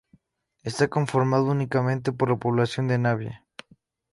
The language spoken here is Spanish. Está formado únicamente por la población de Navia.